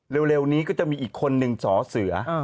เร็วนี้ก็จะมีอีกคนนึงสอเสือ